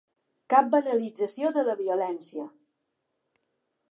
Cap banalització de la violència!